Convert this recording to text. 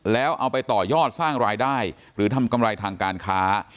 แล้วเอาไปต่อยอดสร้างรายได้หรือทำกำไรทางการค้า